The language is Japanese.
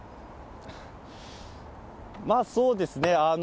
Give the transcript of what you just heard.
まあそうですね。